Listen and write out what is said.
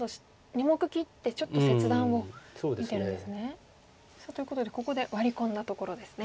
２目切ってちょっと切断を見てるんですね。ということでここでワリ込んだところですね。